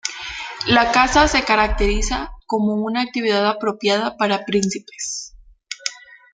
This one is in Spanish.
La caza se caracteriza como una actividad apropiada para príncipes.